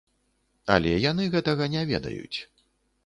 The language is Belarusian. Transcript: Але яны гэтага не ведаюць.